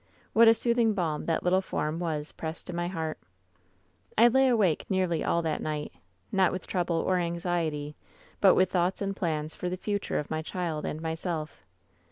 What a soothing balm that little form was pressed to my heart. "I lay awake nearly all that night, not with trouble or anxiety, but with thoughts and plans for the future of my child and myself.